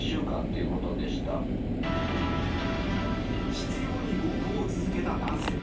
執拗に暴行を続けた男性。